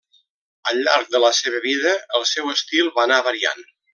Al llarg de la seva vida el seu estil va anar variant.